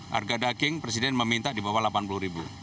harga daging presiden meminta di bawah rp delapan puluh